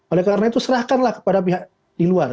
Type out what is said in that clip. oleh karena itu serahkanlah kepada pihak di luar